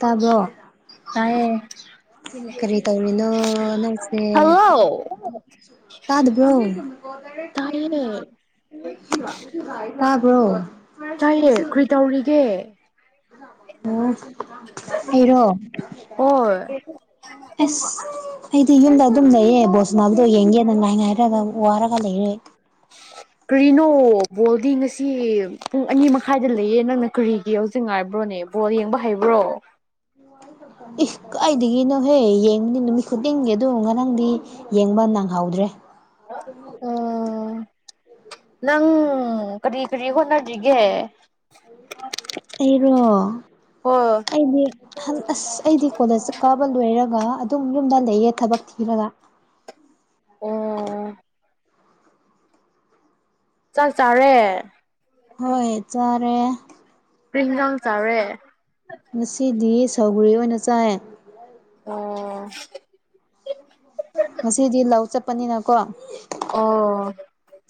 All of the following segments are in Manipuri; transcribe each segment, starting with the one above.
ꯇꯥꯕ꯭ꯔꯣ ꯇꯥꯏꯌꯦ ꯀꯔꯤ ꯇꯧꯔꯤꯅꯣ ꯅꯛꯁꯦ ꯍꯜꯂꯣ ꯇꯗꯕ꯭ꯔꯣ ꯇꯥꯏꯌꯦ [unintelligible] ꯇꯕ꯭ꯔꯣ ꯆꯥꯏꯌꯦ ꯈꯨꯏꯇꯧꯔꯤꯒꯦ ꯎꯝ ꯑꯦꯔꯣ ꯍꯣꯏ ꯑꯁ ꯑꯩꯗꯤ ꯌꯨꯝꯗ ꯑꯗꯨꯝ ꯂꯩꯌꯦ ꯕꯣꯁꯅꯥꯕꯨ ꯌꯦꯡꯒꯦꯅ ꯉꯥꯏ ꯉꯥꯏꯔꯒ ꯋꯥꯔꯒ ꯂꯩꯔꯦ ꯀꯔꯤꯅꯣ ꯕꯣꯜꯗꯤ ꯉꯁꯤ ꯄꯨꯡ ꯑꯅꯤ ꯃꯈꯥꯏꯗ ꯂꯩꯌꯦ ꯅꯪꯅ ꯀꯔꯤꯒꯤ ꯌꯥꯎꯖꯤꯛ ꯉꯥꯏꯔꯕ꯭ꯔꯣꯅꯦ ꯕꯣꯜ ꯌꯦꯡꯕ ꯍꯩꯕ꯭ꯔꯣ ꯏꯁ ꯀꯥꯏꯗꯒꯤꯅꯣꯍꯦ ꯌꯦꯡꯕꯅꯤ ꯅꯨꯃꯤꯠ ꯈꯨꯗꯤꯡꯒꯤ ꯑꯗꯨꯝ ꯉꯔꯥꯡꯗꯤ ꯌꯦꯡꯕ ꯅꯪꯍꯧꯗ꯭ꯔꯦ ꯑ [unintelligible] ꯑꯣ ꯅꯪ ꯀꯔꯤ ꯀꯔꯤ ꯍꯣꯠꯅꯔꯤꯒꯦ ꯑꯩꯔꯣ ꯍꯣꯏ ꯑꯩꯗꯤ ꯑꯍꯝ ꯑꯁ ꯑꯩꯗꯤ ꯀꯣꯂꯦꯖ ꯀꯥꯕ ꯂꯣꯏꯔꯒ ꯑꯗꯨꯝ ꯌꯨꯝꯗ ꯂꯩꯌꯦ ꯊꯕꯛ ꯊꯤꯔꯒ ꯑꯣ ꯆꯥꯛ ꯆꯥꯔꯦ ꯍꯣꯏ ꯆꯔꯦ ꯀꯔꯤ ꯍꯤꯟꯖꯥꯡ ꯆꯥꯔꯦ ꯉꯁꯤꯗꯤ ꯁꯧꯒ꯭ꯔꯤ ꯑꯣꯏꯅ ꯆꯥꯏ ꯑꯣ ꯉꯁꯤꯗꯤ ꯂꯧ ꯆꯠꯄꯅꯤꯅꯀꯣ ꯑꯣ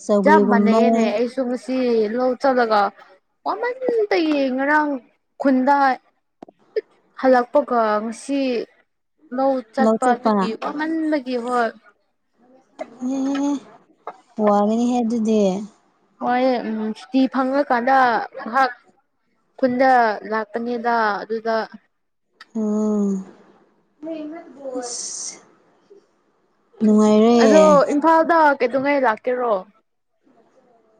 ꯆꯧꯒ꯭ꯔꯤꯒꯨꯝꯕ ꯁꯨꯝꯃꯁꯤ ꯂꯧ ꯆꯠꯂꯒ ꯋꯃꯟꯕꯒꯤ ꯉꯔꯥꯡ ꯈꯨꯟꯗ ꯍꯜꯂꯛꯄꯒ ꯉꯁꯤ ꯅꯧ ꯆꯠꯄ ꯑꯗꯨꯒꯤ ꯋꯥꯃꯟꯕꯒꯤ ꯍꯣꯏ ꯑꯦ ꯋꯥꯒꯅꯤꯍꯦ ꯑꯗꯨꯗꯤ ꯍꯣꯏꯌꯦ ꯎꯝ ꯁꯨꯇꯤ ꯐꯪꯉꯀꯥꯟꯗ ꯉꯥꯏꯍꯥꯛ ꯈꯨꯟꯗ ꯂꯥꯛꯀꯥꯅꯤꯗ ꯑꯗꯨꯗ ꯑꯣ ꯑꯁ ꯅꯨꯡꯉꯥꯏꯔꯦ ꯑꯗꯣ ꯏꯝꯐꯥꯜꯗ ꯀꯩꯗꯧꯉꯩ ꯂꯥꯛꯀꯦꯔꯣ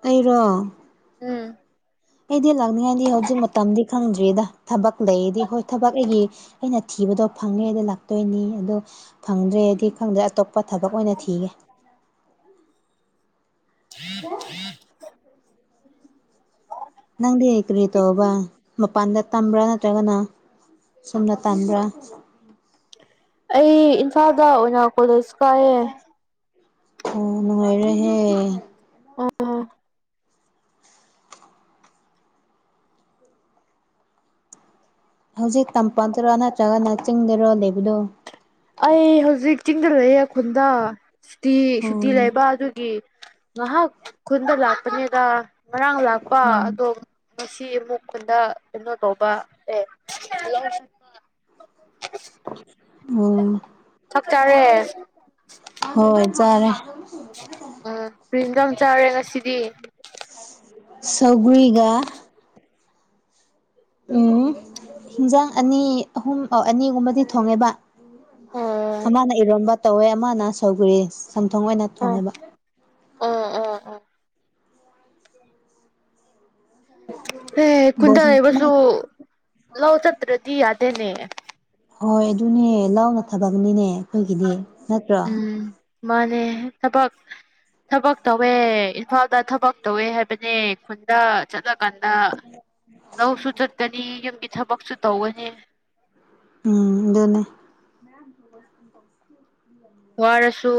ꯑꯩꯔꯣ ꯎꯝ ꯑꯩꯗꯤ ꯂꯥꯛꯅꯤꯉꯥꯏꯗꯤ ꯍꯧꯖꯤꯛ ꯃꯇꯝꯗꯤ ꯈꯪꯗ꯭ꯔꯤꯗ ꯊꯕꯛ ꯂꯩꯌꯦꯗꯤ ꯍꯣꯏ ꯊꯕꯛ ꯂꯩ ꯑꯩꯅ ꯊꯤꯕꯗꯣ ꯐꯪꯉꯦꯗꯤ ꯂꯥꯛꯇꯣꯏꯅꯤ ꯑꯗꯣ ꯐꯪꯗ꯭ꯔꯦꯗꯤ ꯈꯪꯗ꯭ꯔꯦ ꯑꯇꯣꯞꯄ ꯑꯇꯣꯞꯄ ꯊꯕꯛ ꯑꯣꯏꯅ ꯊꯤꯒꯦ [unintelligible] ꯅꯪꯗꯤ ꯀꯔꯤ ꯇꯧꯕꯔꯥ ꯃꯄꯥꯟꯗ ꯇꯝꯕ꯭ꯔꯥ ꯅꯠꯇ꯭ꯔꯒꯅ ꯁꯣꯝꯗ ꯇꯝꯕꯔꯥ ꯑꯩ ꯏꯝꯐꯥꯜꯗ ꯑꯣꯏꯅ ꯀꯣꯂꯦꯖ ꯀꯥꯏꯑꯦ ꯑꯣ ꯅꯨꯡꯉꯥꯏꯔꯦꯍꯦ ꯑꯣ ꯍꯧꯖꯤꯛ ꯇꯝꯄꯥꯛꯇꯔꯣ ꯅꯠꯇ꯭ꯔꯒꯅ ꯆꯤꯡꯗꯔꯣ ꯂꯩꯕꯗꯣ ꯑꯩ ꯍꯧꯖꯤꯛ ꯆꯤꯡꯗ ꯂꯩꯌꯦ ꯈꯨꯟꯗ ꯁꯨꯇꯤ-ꯁꯨꯇꯤ ꯎꯝ ꯂꯩꯕ ꯑꯗꯨꯒꯤ꯫ ꯉꯍꯥꯛ ꯈꯨꯟꯗ ꯂꯥꯛꯄꯅꯦꯗ ꯉꯔꯥꯡ ꯂꯥꯛꯄ ꯎꯝ ꯑꯗꯣ꯫ ꯉꯁꯤ ꯑꯃꯨꯛ ꯈꯨꯟꯗ ꯀꯩꯅꯣ ꯇꯧꯕ ꯑꯦ ꯂꯧ ꯁꯨꯕ꯫ ꯑꯣ꯫ ꯑꯥ ꯀꯔꯤ ꯏꯟꯁꯥꯡ ꯆꯥꯔꯦ ꯉꯁꯤꯗꯤ ꯁꯧꯒꯔꯤꯒ ꯎꯝ ꯍꯤꯟꯖꯥꯡ ꯑꯅꯤ ꯑꯍꯨꯝ ꯑꯣ ꯑꯅꯤꯒꯨꯝꯕꯗꯤ ꯊꯣꯡꯉꯦꯕ ꯑꯣ ꯑꯃꯅ ꯏꯔꯣꯝꯕ ꯇꯧꯋꯦ ꯑꯃꯅ ꯁꯧꯒꯔꯤ ꯆꯝꯊꯣꯡ ꯑꯣꯏꯅ ꯑꯣ ꯊꯣꯡꯉꯦꯕ ꯑꯣ ꯑꯣ ꯑꯣ ꯑꯦ ꯈꯨꯟꯗꯥ ꯂꯩꯕꯁꯨ ꯂꯧ ꯆꯠꯇ꯭ꯔꯗꯤ ꯌꯥꯗꯦꯅꯦ꯫ ꯍꯣꯏ ꯑꯗꯨꯅꯦ ꯂꯧꯅ ꯊꯕꯛꯅꯤꯅꯦ ꯑꯩꯈꯣꯏꯒꯤꯗꯤ ꯅꯠꯇ꯭ꯔꯣ꯫ ꯎꯝ ꯃꯥꯅꯦ ꯊꯕꯛ꯫ ꯊꯕꯛ ꯇꯧꯋꯦ ꯏꯝꯐꯥꯜꯗ ꯊꯕꯛ ꯇꯧꯋꯦ ꯍꯥꯏꯕꯅꯦ ꯈꯨꯟꯗ ꯆꯠꯂ ꯀꯥꯟꯗ꯫ ꯂꯧꯁꯨ ꯆꯠꯀꯅꯤ ꯌꯨꯝꯒꯤ ꯊꯕꯛꯁꯨ ꯇꯧꯒꯅꯤ꯫ ꯎꯝ ꯑꯗꯨꯨꯅꯦ꯫ ꯃꯌꯥꯡ [unintelligible] ꯋꯥꯔꯁꯨ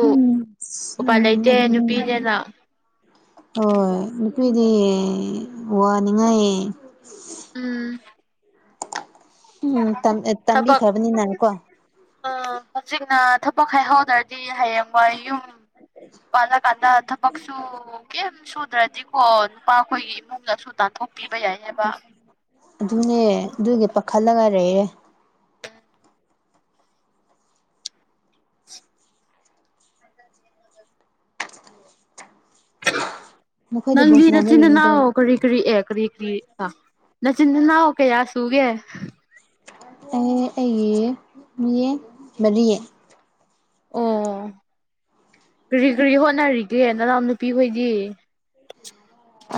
ꯎꯄꯥꯏ ꯂꯩꯇꯦ ꯑꯗꯨꯅꯦ ꯅꯨꯄꯤꯅꯦꯅ ꯍꯣꯏ ꯅꯨꯄꯤꯗꯤ ꯋꯥꯅꯤꯡꯉꯥꯏ ꯎꯝ ꯎꯝ ꯇꯝ ꯇꯝꯕꯤꯈ꯭ꯔꯕꯅꯤꯅ ꯀꯣ ꯎꯝ ꯍꯧꯖꯤꯛꯅ ꯊꯕꯛ ꯍꯥꯏꯍꯧꯗ꯭ꯔꯗꯤ ꯍꯌꯦꯡꯋꯥꯏ ꯌꯨꯝ [unintelligible] ꯄꯥꯜꯂꯀꯥꯟꯗ ꯊꯕꯛꯁꯨ ꯀꯩꯝ ꯁꯨꯗ꯭ꯔꯗꯤꯀꯣ ꯅꯨꯄꯥ ꯑꯩꯈꯣꯏꯒꯤ ꯏꯃꯨꯡꯅꯁꯨ ꯇꯥꯟꯊꯣꯛ ꯄꯤꯕ ꯌꯥꯏꯑꯦꯕ ꯑꯗꯨꯅꯦ ꯑꯗꯨꯒꯤ ꯄꯥꯈꯠꯂꯒ ꯂꯩꯌꯦ ꯅꯈꯣꯏꯗꯤ ꯕꯣꯜ ꯅꯪꯒꯤ ꯁꯥꯟꯅꯕ ꯅꯆꯤꯟ-ꯅꯅꯥꯎ ꯌꯦꯡꯅꯗ꯭ꯔꯥ ꯀꯔꯤ ꯀꯔꯤ ꯑꯦ ꯀꯔꯤ ꯀꯔꯤ꯫ ꯑ ꯅꯆꯤꯟ-ꯅꯅꯥꯎ ꯀꯥꯌꯥ ꯁꯨꯒꯦ꯫ ꯑꯩ ꯑꯩꯒꯤ ꯃꯤꯌꯦ ꯃꯔꯤ꯫ ꯑꯣ ꯀꯔꯤ-ꯀꯔꯤ ꯍꯣꯠꯅꯔꯤꯒꯦ ꯅꯅꯥꯎ ꯅꯨꯄꯤꯍꯣꯏꯗꯤ꯫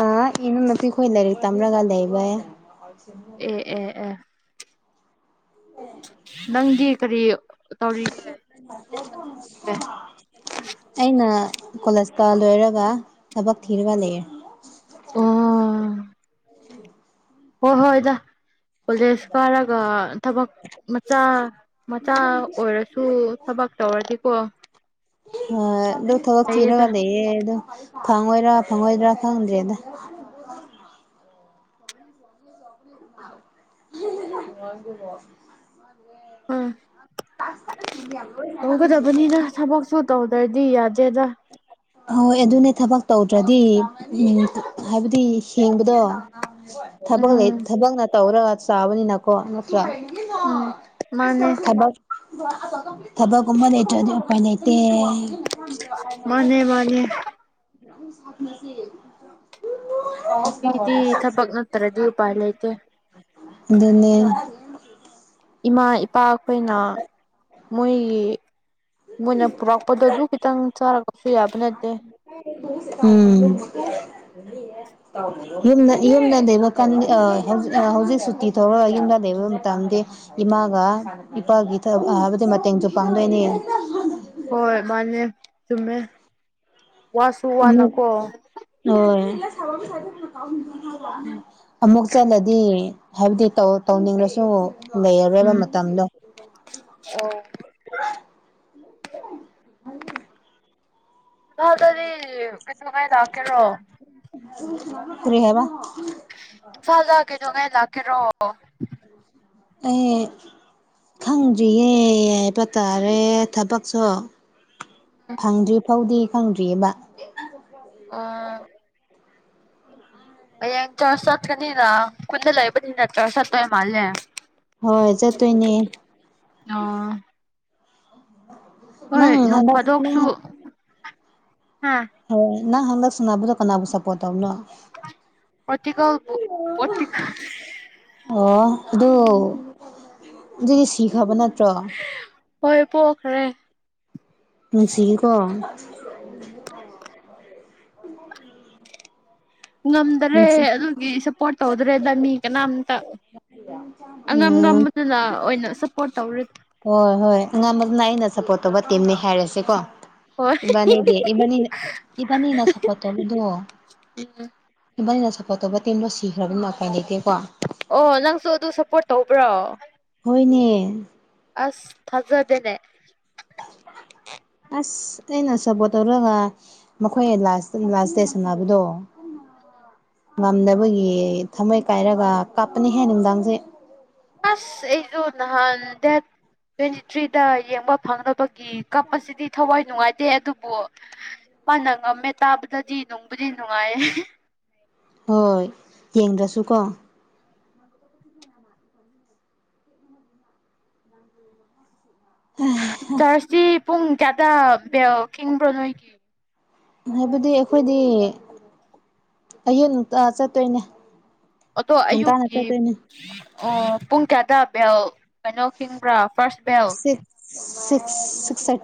ꯑꯥ ꯏꯅꯥꯎꯅꯨꯄꯤ ꯈꯣꯏ ꯂꯥꯏꯔꯤꯛ ꯇꯝꯂꯒ ꯂꯩꯔꯦ꯫ ꯑꯦ ꯑꯦ ꯑꯦ꯫ [unintelligible] ꯅꯪꯗꯤ ꯀꯔꯤ ꯇꯧꯔꯤꯒꯦ [unintelligible] ꯑꯩꯅ ꯀꯣꯂꯦꯖ ꯀꯥ ꯂꯣꯏꯔꯒ ꯊꯕꯛ ꯊꯤꯔꯒ ꯂꯩꯔꯦ ꯑꯣ ꯍꯣꯏ ꯍꯣꯏꯗ ꯀꯣꯂꯦꯖ ꯀꯥꯔꯒ ꯊꯕꯛ ꯃꯆꯥ ꯃꯆꯥ ꯑꯣꯏꯔꯁꯨ ꯊꯕꯛ ꯇꯧꯔꯗꯤꯀꯣ ꯍꯣꯏ ꯑꯗꯨ ꯊꯕꯛ ꯊꯤꯔꯒ ꯐꯩꯌꯦꯗ ꯂꯩꯌꯦ ꯑꯗꯨ ꯐꯪꯉꯣꯏꯔꯥ ꯐꯪꯉꯣꯏꯗ꯭ꯔꯥ ꯈꯪꯗ꯭ꯔꯦꯗ [unintelligible] [unintelligible] ꯎꯝ ꯇꯧꯒꯗꯕꯅꯤꯗ ꯊꯕꯛꯁꯨ ꯇꯧꯗ꯭ꯔꯗꯤ ꯌꯥꯗꯦꯗ ꯍꯣꯏ ꯑꯗꯨꯅꯦ ꯊꯕꯛ ꯇꯧꯗ꯭ꯔꯗꯤ ꯎꯝ ꯍꯥꯏꯕꯗꯤ ꯍꯤꯡꯕꯗꯣ ꯊꯕꯛ ꯂꯩ ꯎꯝ ꯊꯕꯛꯅ ꯇꯧꯔꯒ ꯆꯥꯕꯅꯤꯅ ꯀꯣ ꯅꯠꯇ꯭ꯔ ꯎꯝ ꯃꯥꯅꯦ ꯊꯕꯛ [unintelligible] ꯊꯕꯛꯒꯨꯝꯕ ꯂꯩꯇ꯭ꯔꯗꯤ ꯎꯄꯥꯏ ꯂꯩꯇꯦ ꯃꯥꯟꯅꯦ [unintelligible] ꯅꯨꯄꯤꯗꯤ ꯊꯕꯛ ꯅꯠꯇ꯭ꯔꯗꯤ ꯎꯄꯥꯏ ꯂꯩꯥꯇꯦ ꯑꯗꯨꯅꯦ [unintelligible] ꯏꯃꯥ ꯏꯄꯥ ꯈꯣꯏꯅ ꯃꯣꯏ ꯃꯣꯏꯅ ꯄꯨꯔꯛꯄꯗꯣ ꯑꯗꯨ ꯈꯤꯇꯪ ꯆꯥꯔꯒꯁꯨ ꯌꯥꯕ ꯅꯠꯇꯦ ꯎꯝ [unintelligible] ꯌꯨꯝꯗ ꯌꯨꯝꯗ ꯂꯩꯕ ꯀꯥꯟꯗ ꯑ ꯍꯧ ꯍꯧꯖꯤꯛ ꯁꯨꯇꯤ ꯇꯧꯔ ꯌꯨꯝꯗ ꯂꯩꯕ ꯃꯇꯝꯗꯤ ꯏꯃꯥꯒ ꯏꯄꯥꯒꯤ ꯊꯕꯛ ꯍꯥꯏꯕꯗꯤ ꯃꯇꯦꯡꯁꯨ ꯄꯥꯡꯗꯣꯏꯅꯤ ꯍꯣꯏ ꯃꯥꯅꯦ ꯆꯨꯝꯃꯦ ꯋꯥꯁꯨ ꯑꯃꯨꯛ ꯋꯥꯅꯀꯣ ꯍꯣꯏ ꯑꯃꯨꯛ ꯆꯠꯂꯗꯤ ꯍꯥꯏꯕꯗꯤ ꯇꯧ ꯇꯧꯅꯤꯡꯂꯁꯨ ꯂꯩꯔꯔꯣꯏꯕ ꯃꯇꯝꯗꯣ ꯑꯣ [unintelligible] ꯏꯝꯐꯥꯜꯗꯗꯤ ꯀꯩꯗꯧꯉꯩ ꯂꯥꯛꯀꯦꯔꯣ [unintelligible] ꯀꯔꯤ ꯍꯥꯏꯕ ꯏꯝꯐꯥꯜꯗ ꯀꯩꯗꯧꯉꯩ ꯂꯥꯛꯀꯦꯔꯣ [unintelligible] ꯑꯩ ꯈꯪꯗ꯭ꯔꯤꯌꯦ ꯍꯥꯏꯕ ꯇꯥꯔꯦ ꯊꯕꯛꯁꯨ ꯐꯪꯗ꯭ꯔꯤ ꯐꯥꯎꯗꯤ ꯈꯪꯗ꯭ꯔꯤꯑꯦꯕ ꯑ ꯍꯌꯦꯡ ꯆ꯭ꯔꯁ ꯆꯠꯀꯅꯤꯅ ꯈꯨꯟꯗ ꯂꯩꯕꯅꯤꯅ ꯆ꯭ꯔꯁ ꯆꯠꯇꯣꯏ ꯃꯥꯜꯂꯦ ꯍꯣꯏ ꯆꯠꯇꯣꯏꯅꯦ ꯑ ꯍꯣꯏ ꯅꯪ ꯅꯣꯡ ꯍꯟꯗꯛ ꯐꯥꯗꯣꯛꯁꯨ ꯅꯪ ꯍꯥ ꯑ ꯅꯪ ꯍꯟꯗꯛ ꯁꯅꯥꯕꯗꯣ ꯀꯅꯥꯕꯨ ꯁꯄꯣꯠ ꯇꯧꯅꯣ ꯄꯣꯔꯇꯤꯀꯜꯕꯨ ꯄꯣꯔꯇꯤꯀꯜ ꯑꯣ ꯑꯗꯨ ꯑꯗꯨꯗꯤ ꯁꯤꯈ꯭ꯔꯕ ꯅꯠꯇ꯭ꯔꯣ ꯍꯣꯏ ꯄꯣꯛꯈ꯭ꯔꯦ ꯅꯨꯡꯁꯤꯀꯣ [unintelligible] ꯉꯝꯗ꯭ꯔꯦ ꯅꯨꯡꯁꯤ ꯑꯗꯨꯒꯤ ꯁꯞꯄꯣꯔꯠ ꯇꯧꯗ꯭ꯔꯦꯗ ꯃꯤ ꯀꯅꯥꯝꯇ ꯑꯉꯝ ꯎꯝ ꯉꯝꯕꯗꯨꯅ ꯑꯣꯏꯅ ꯁꯞꯄꯣꯔꯠ ꯇꯧꯔꯦ ꯍꯣꯏ ꯍꯣꯏ ꯑꯉꯝꯕꯗꯨꯅ ꯑꯩꯅ ꯁꯞꯄꯣꯔꯠ ꯇꯧꯕ ꯇꯤꯝꯅꯤ ꯍꯥꯏꯔꯁꯤꯀꯣ ꯍꯣꯏ ꯏꯕꯥꯅꯤꯗꯤ ꯏꯕꯥꯅꯤꯅ ꯏꯕꯥꯅꯤꯅ ꯁꯄꯣꯔꯠ ꯇꯧꯔꯤꯗꯣ ꯏꯕꯥꯅꯤꯅ ꯁꯞꯄꯣꯔꯠ ꯇꯧꯕ ꯇꯤꯝꯗꯣ ꯁꯤꯈ꯭ꯔꯕꯅꯤꯅ ꯎꯄꯥꯏ ꯂꯩꯇꯦꯀꯣ ꯑꯣ ꯅꯪꯁꯨ ꯑꯗꯨ ꯁꯞꯄꯣꯔꯠ ꯇꯧꯕ꯭ꯔꯣ ꯍꯣꯏꯅꯦ ꯑꯁ ꯊꯥꯖꯗꯦꯅꯦ ꯑꯁ ꯑꯩꯅ ꯁꯄꯣꯔꯇ ꯇꯧꯔꯒ ꯃꯈꯣꯏꯅ ꯂꯥꯁ ꯂꯥꯁ ꯗꯦ ꯁꯥꯟꯅꯕꯗꯣ ꯉꯝꯗꯕꯒꯤ ꯊꯝꯃꯣꯏ ꯀꯥꯏꯔꯒ ꯀꯥꯞꯄꯅꯤꯍꯦ ꯅꯨꯡꯗꯥꯡꯁꯦ ꯑꯁ ꯑꯩꯁꯨ ꯅꯍꯥꯟ ꯗꯦꯠ ꯇ꯭ꯋꯦꯟꯇꯤ ꯊ꯭ꯔꯤꯗ ꯌꯦꯡꯕ ꯐꯪꯗꯕ ꯀꯦ ꯀꯞꯄꯁꯤꯗꯤ ꯊꯋꯥꯏ ꯅꯨꯡꯉꯥꯏꯇꯦ ꯑꯗꯨꯕꯨ ꯃꯥꯅ ꯉꯝꯃꯦ ꯇꯥꯕꯗꯗꯤ ꯅꯨꯡꯕꯨꯗꯤ ꯅꯨꯡꯉꯥꯏꯌꯦ ꯍꯣꯏ ꯌꯦꯡꯗ꯭ꯔꯁꯨ ꯀꯣ [unintelligible] ꯆꯥꯔꯖꯇꯤ ꯄꯨꯡ ꯀꯌꯥꯗꯥ ꯕꯦꯜ ꯈꯤꯡꯕ꯭ꯔꯣ ꯅꯣꯏꯒꯤ ꯍꯥꯏꯕꯗꯤ ꯑꯩꯈꯣꯏꯗꯤ ꯑꯌꯨꯛ ꯑꯟꯇꯥ ꯆꯠꯇꯣꯏꯅꯦ ꯑꯣꯇꯣ ꯉꯟꯇꯥꯅ ꯑꯌꯨꯛꯀꯤ ꯆꯠꯇꯣꯏꯅꯦ ꯑꯣ ꯄꯨꯡ ꯀꯌꯥꯗ ꯕꯦꯜ ꯀꯩꯅꯣ ꯈꯤꯡꯕ꯭ꯔꯥ ꯐꯥꯔꯁ ꯕꯦꯜ ꯁꯤ ꯁꯤꯛꯁ ꯁꯤꯛꯁ [unintelligible]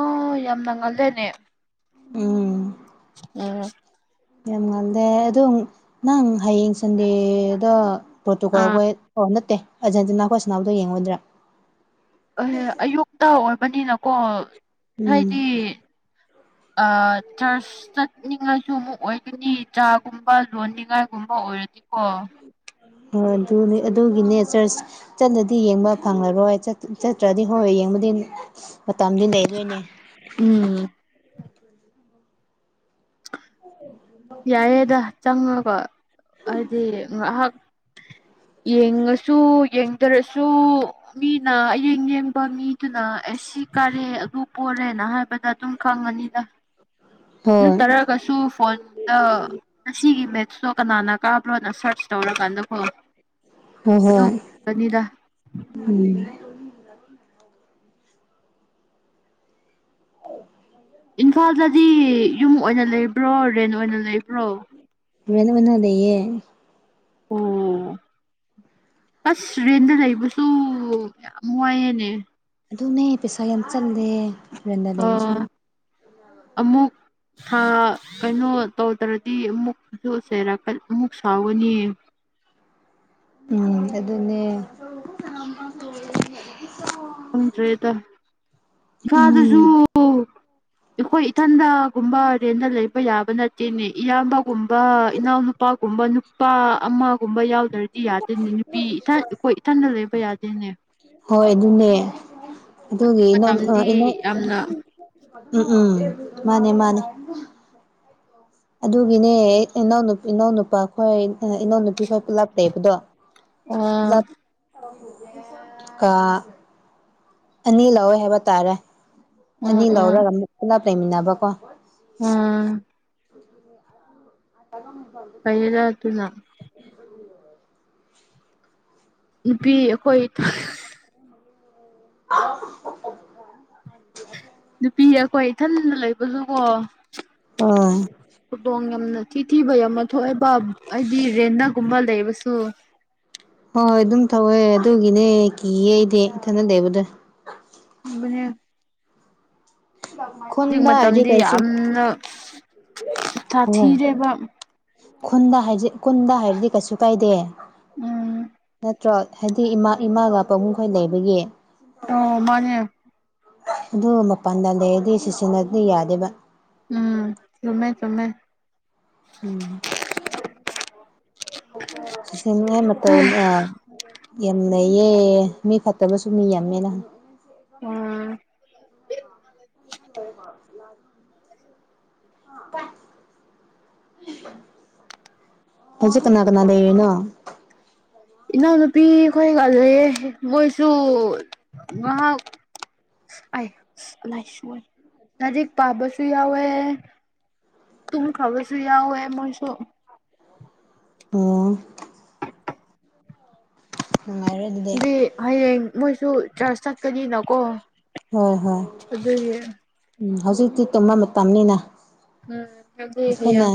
ꯑꯥ ꯌꯥꯝꯅ ꯉꯜꯂꯦꯅꯦ꯫ ꯎꯝ꯫ ꯎꯝ꯫ ꯌꯥꯝ ꯉꯜꯗꯦ ꯑꯗꯣ ꯅꯪ ꯍꯌꯦꯡ ꯁꯟꯗꯦꯗ꯫ ꯑꯥ ꯄꯣꯔꯇꯨꯒꯜꯈꯣꯏ ꯑꯣ ꯅꯠꯇꯦ ꯑꯔꯖꯦꯟꯇꯤꯅꯥ ꯈꯣꯏ ꯁꯥꯟꯅꯕꯗꯣ ꯌꯦꯡꯉꯣꯏꯗ꯭ꯔꯥ ꯑꯍ ꯑꯌꯨꯛꯇ ꯑꯣꯏꯕꯅꯤꯅꯀꯣ ꯎꯝ ꯍꯥꯏꯗꯤ꯫ ꯑ ꯇ꯭ꯔꯁ ꯆꯠꯅꯤꯡꯉꯥꯏꯁꯨ ꯑꯃꯨꯛ ꯑꯣꯏꯒꯅꯤ ꯆꯥꯒꯨꯝꯕ ꯂꯣꯟꯅꯤꯡꯉꯥꯏꯒꯨꯝꯕ ꯑꯣꯏꯔꯗꯤꯀꯣ ꯑꯗꯨꯅꯤ ꯑꯗꯨꯒꯤꯅꯦ ꯆ꯭ꯔꯆ ꯆꯠꯂꯗꯤ ꯌꯦꯡꯕ ꯐꯪꯉꯔꯣꯏ ꯆꯠ ꯆꯠꯇ꯭ꯔꯗꯤ ꯍꯣꯏ ꯌꯦꯡꯕꯨꯗꯤ ꯃꯇꯝꯗꯤ ꯂꯩꯔꯣꯏꯅꯦ ꯎꯝ ꯌꯥꯏꯌꯦꯗ ꯆꯪꯉꯒ ꯍꯥꯏꯗꯤ ꯉꯍꯥꯛ ꯌꯦꯡꯉꯁꯨ ꯌꯦꯡꯗꯔꯁꯨ꯫ ꯃꯤꯅ ꯑꯌꯦꯡ ꯌꯦꯡꯕ ꯃꯤꯗꯨꯅ ꯑꯦ ꯁꯤ ꯀꯥꯔꯦ ꯑꯗꯨ ꯄꯣꯔꯦꯅ ꯍꯥꯏꯕꯅꯠ꯫ ꯑꯗꯨꯝ ꯈꯪꯉꯅꯤꯗ ꯍꯣꯏ ꯅꯠꯇꯔꯒꯁꯨ ꯐꯣꯟꯗ꯫ ꯉꯁꯤꯒꯤ ꯃꯦꯠꯁꯇꯣ ꯀꯅꯥꯅ ꯀꯥꯕ꯭ꯔꯣꯅ ꯁꯔꯆ ꯇꯧꯔꯀꯥꯟꯗꯀꫭ꯫ ꯍꫭꯏ ꯍꯣꯏ ꯎꯝ꯫ ꯏꯝꯐꯥꯜꯗꯗꯤ ꯌꯨꯝ ꯑꯣꯏꯅ ꯂꯩꯕ꯭ꯔꯣ ꯔꯦꯟ ꯑꯣꯏꯅ ꯂꯩꯕ꯭ꯔꯣ꯫ ꯔ‌ꯦꯟ ꯑꫭꯏꯅ ꯂꯩꯌꯦ꯫ ꯑꯣ ꯑꯁ ꯔꯦꯟꯗ ꯂꯩꯕꯁꯨ ꯌꯥꯝ ꯋꯥꯏꯌꯦꯅꯦ꯫ ꯑꯗꯨꯅꯦ ꯄꯩꯁꯥ ꯌꯥꯝ ꯆꯠꯂꯦ ꯔꯦꯟꯗ ꯑꯥ ꯂꯩꯕꯁꯨ ꯑꯃꯨꯛ꯫ ꯊꯥ ꯀꯩꯅꯣ ꯇꯧꯗ꯭ꯔꯗꯤ ꯑꯃꯨꯛꯁꯨ ꯆꯩꯔꯛ ꯑꯃꯨꯛ ꯁꯥꯎꯒꯅꯤ꯫ ꯎꯝ ꯑꯗꯨꯅꯦ꯫ ꯈꯪꯗ꯭ꯔ‌ꯦꯗ ꯐꯗꯨꯁꯨ꯫ [inaudible] ꯑꯈꯣꯏ ꯏꯊꯟꯗꯒꯨꯝꯕ ꯔꯦꯟꯗ ꯂꯩꯕ ꯌꯥꯕ ꯅꯠꯇꯦꯅꯦ ꯏꯌꯥꯝꯕꯒꯨꯝꯕ ꯏꯅꯥꯎ꯫ ꯄꯥꯒꯨꯝꯕ ꯅꯨꯄꯥ ꯑꯃꯒꯨꯝꯕ ꯌꯥꯎꯗ꯭ꯔ ꯌꯥꯗꯦꯅꯦ ꯅꯨꯄꯤ ꯏꯊꯟ ꯑꯈꯣꯏ ꯏꯊꯟꯗ ꯂꯩꯕ ꯌꯥꯗꯦꯅꯦ꯫ ꯍꯣꯏ ꯑꯗꯨꯅꯦ꯫ ꯑꯗꯨꯒꯤ ꯍꯧꯖꯤꯛ ꯏꯅꯧ ꯃꯇꯝꯗꯤ ꯏꯅꯧ ꯌꯥꯝꯅ ꯎꯝ ꯎꯝ ꯃꯥꯅꯦ ꯃꯥꯅꯦ ꯑꯗꯨꯒꯤꯅꯦ ꯏꯅꯥꯎꯅ ꯏꯅꯥꯎꯅꯨꯄꯥ ꯈꯣꯏ ꯏꯅꯥꯎ ꯅꯨꯄꯤ ꯈꯣꯏ ꯄꯨꯜꯂꯞꯂꯩꯕꯗꯣ꯫ ꯑꯣ ꯂꯞ ꯀꯥ ꯑꯅꯤ ꯂꯧꯋ‌ꯦ ꯍꯥꯏꯕ ꯇꯥꯔꯦ꯫ ꯑꯣ ꯑꯅꯤ ꯑꯣ ꯂꯧꯔꯒ ꯑꯃꯨꯛ ꯄꯨꯂꯞ ꯂꯩꯃꯤꯟꯅꯕꯀꯣ꯫ ꯑꯥ ꯐꯩꯌꯦꯗ [unintelligible] ꯑꯗꯨꯅ ꯅꯨꯄꯤ ꯑꯩꯈꯣꯏ꯫ [unintelligible] ꯅꯨꯄꯤ ꯑꯩꯈꯣꯏ ꯏꯊꯟꯗ ꯂꯩꯕꯁꯨꯀꯣ ꯑꯧ꯫ ꯈꯨꯗꯣꯡ ꯌꯥꯝꯅ ꯊꯤꯊꯤꯕ ꯌꯥꯝꯅ ꯊꯣꯛꯑꯦꯕ ꯍꯥꯏꯗꯤ ꯔꯦꯟꯅꯒꯨꯝꯕ ꯂꯩꯕꯁꯨ꯫ ꯍꯣꯏ ꯍꯣꯏ ꯑꯗꯨꯝ ꯇꯧꯋꯦ ꯑꯗꯨꯒꯤꯅꯦ ꯀꯤꯌꯦ ꯑꯩꯗꯤ ꯢꯊꯟꯗ ꯂꯩꯕꯗꯣ [unintelligible] ꯍꯧꯖꯤꯛ ꯈꯨꯨꯟꯗꯥ ꯍꯥꯏꯗꯤ ꯃꯇꯝꯗꯤ ꯀꯩꯁꯨ ꯌꯥꯝꯅ ꯍꯣꯏ ꯁꯥꯊꯤꯔꯦꯕ ꯈꯨꯟꯗ ꯈꯨꯟꯗ ꯍꯥꯏꯔꯗꯤ ꯀꯩꯁꯨ ꯀꯥꯏꯗꯦ꯫ ꯎꯝ ꯇ꯭ꯔꯣ ꯍꯥꯏꯗꯤ ꯏꯃꯥ ꯏꯃꯥꯒ ꯄꯥꯕꯨꯡꯈꯣꯏ ꯂꯩꯕꯒꯤ ꯑꯣ ꯃꯥꯅꯦ ꯑꯗꯨ ꯃꯄꯥꯟꯗ ꯂꯩꯔꯗꯤ ꯁꯤꯖꯤꯟꯅꯗꯤ ꯌꯥꯗꯦꯕ ꯎꯝ ꯆꯨꯝꯃꯦ ꯆꯝꯃꯦ ꯎꯝ [unintelligible] ꯌꯥꯝ ꯂꯩꯌꯦ ꯃꯤ ꯐꯠꯇꯕꯁꯨ ꯃꯤ ꯌꯥꯝꯃꯦꯅ ꯎꯝ꯫ [unintelligible] [unintelligible] ꯍꯧꯖꯤꯛ ꯀꯅꯥ ꯀꯅꯥ ꯂꯩꯔꯤꯅꯣ ꯏꯅꯥꯎꯅꯨꯄꯤ ꯈꯣꯏꯒ ꯂꯩꯌꯦ ꯃꯣꯏꯁꯨ ꯉꯍꯥꯛ꯫ ꯑꯥꯏ ꯁꯨꯑꯥꯏ ꯂꯥꯏꯔꯤꯛ ꯄꯥꯕꯁꯨꯌꯥꯎꯑ‌ꯦ꯫ ꯇꯨꯝꯈ꯭ꯔꯕꯁꯨ ꯌꯥꯎꯋꯦ ꯃꯣꯏꯁꯨ ꯑꯣ꯫ ꯅꯨꯡꯉꯥꯏꯔꯦ ꯑꯗꯨꯗꯤ ꯗꯤ ꯍꯌꯦꯡ ꯃꯣꯏꯁꯨ ꯆꯔꯆ ꯆꯠꯀꯅꯤꯅꯀꯣ ꯍꯣꯏ ꯍꯣꯏ ꯑꯗꯨꯒꯤ ꯎꯝ ꯍꯧꯖꯤꯛꯇꯤ ꯇꯨꯝꯕ ꯃꯇꯝꯅꯤꯅ ꯎꯝ ꯍꯥꯏꯗꯤ ꯑꯩꯈꯣꯏꯅ ꯍꯌꯦꯡ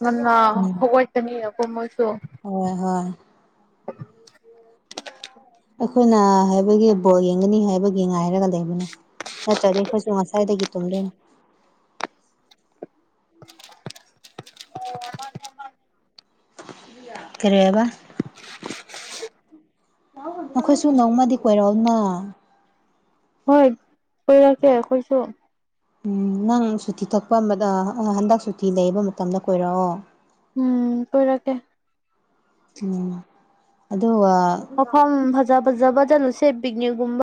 ꯉꯟꯅ ꯎꯝ ꯍꯋꯥꯀꯅꯤꯅꯀꯣ ꯃꯣꯏꯁꯨ ꯍꯣꯏ ꯍꯣꯏ ꯑꯩꯈꯣꯏꯅ ꯍꯥꯏꯕꯒꯤ ꯕꯣꯜ ꯌꯦꯡꯒꯅꯤ ꯍꯥꯏꯕꯒꯤ ꯉꯥꯏꯔꯒ ꯂꯩꯕꯅꯦ ꯅꯠꯇ꯭ꯔꯗꯤ ꯑꯩꯈꯣꯏꯁꯨ ꯉꯁꯥꯏꯗꯒꯤ ꯇꯨꯝꯗꯣꯏꯅꯤ [unintelligible] ꯀꯔꯤꯕꯥ ꯅꯈꯣꯏꯁꯨ ꯅꯣꯡꯃꯗꯤ ꯀꯣꯏꯔꯣꯅ ꯍꯣꯏ ꯀꯣꯏꯔꯀꯦ ꯀꯣꯏꯁꯨꯣ ꯎꯝ ꯅꯪ ꯁꯨꯇꯤ ꯊꯛꯄ ꯑꯃꯗ ꯍꯟꯗꯛ ꯁꯨꯇꯤ ꯂꯩꯕ ꯃꯇꯝꯗ ꯀꯣꯏꯔꯛꯑꯣ ꯎꯝ ꯀꯣꯏꯔꯛꯀꯦ ꯎꯝ ꯑꯗꯨꯒ ꯃꯐꯝ ꯐꯖ ꯐꯖꯕ ꯆꯠꯂꯨꯁꯦ ꯄꯤꯛꯅꯤꯛꯒꯨꯝꯕ